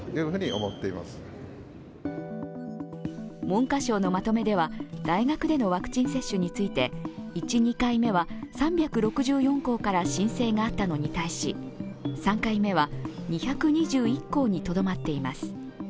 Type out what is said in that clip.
文科省のまとめでは大学でのワクチン接種について１２回目は３６４校から申請があったのに対し３回目は２２１校にとどまっています。